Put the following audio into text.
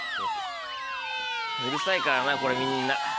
うるさいからなこれみんな。